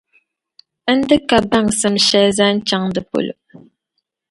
N di ka baŋsim shεli zaŋ chaŋ di polo.